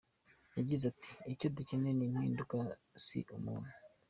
Yagize ati “Icyo dukeneye ni impinduka si umuntu.